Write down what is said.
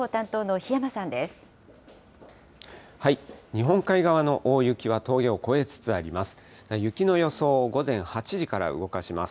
日本海側の大雪は峠を越えつつあります。